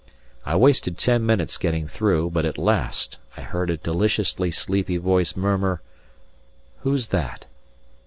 I wasted ten minutes getting through, but at last I heard a deliciously sleepy voice murmur, "Who's that?"